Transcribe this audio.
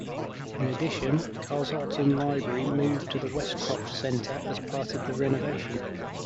In addition, Carshalton Library moved to the Westcroft centre, as part of the renovation.